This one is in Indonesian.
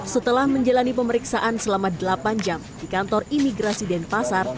setelah menjalani pemeriksaan selama delapan jam di kantor imigrasi denpasar